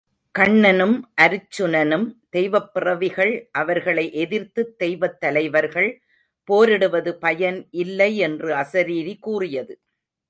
கண்ணனும் அருச்சுனனும் தெய்வப்பிறவிகள் அவர்களை எதிர்த்து தெய்வத் தலைவர்கள் போரிடுவது பயன் இல்லை என்று அசரீரி கூறியது.